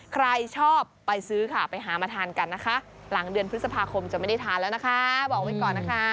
ใครชอบไปซื้อค่ะไปหามาทานกันนะคะหลังเดือนพฤษภาคมจะไม่ได้ทานแล้วนะคะบอกไว้ก่อนนะคะ